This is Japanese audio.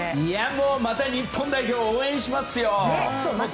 また日本代表を応援しますよ。